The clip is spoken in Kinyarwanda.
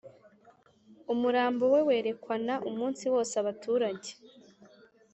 Umurambo we werekwana umunsi wose abaturage